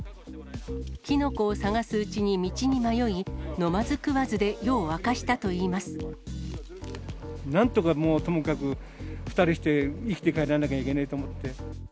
キノコを探すうちに道に迷い、飲まず食わずで夜を明かしたといなんとかもう、ともかく２人して生きて帰らないといけないと思って。